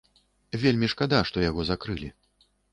Вельмі шкада, што яго закрылі.